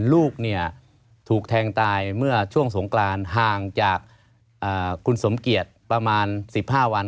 ลูกถูกแทงตายเมื่อช่วงสงกรานห่างจากคุณสมเกียจประมาณ๑๕วัน